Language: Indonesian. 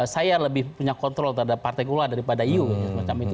saya lebih punya kontrol terhadap partai golkar daripada you